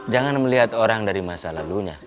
jangan melihat orang dari masa lalunya